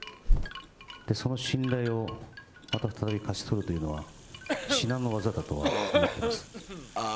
その信頼をまた再び勝ち取るというのは、至難の業だとは思っています。